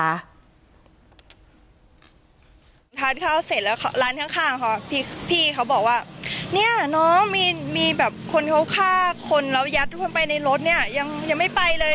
ทานข้าวเสร็จแล้วร้านข้างเขาพี่เขาบอกว่าเนี่ยน้องมีแบบคนเขาฆ่าคนแล้วยัดเข้าไปในรถเนี่ยยังไม่ไปเลย